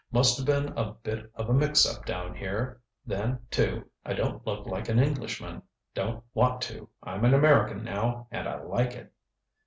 "Must have been a bit of a mix up down here. Then, too, I don't look like an Englishman. Don't want to. I'm an American now, and I like it."